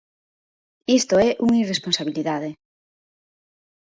¡Isto é unha irresponsabilidade!